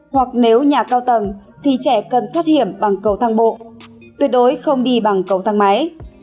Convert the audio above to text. hoặc nếu nhà cao tầng thì trẻ cần thoát hiểm bằng cầu thang bộ tuyệt đối không đi bằng cầu thang máy